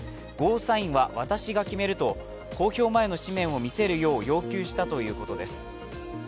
ゴーサインは私が決めると公表前の誌面を見せるよう要求したということです。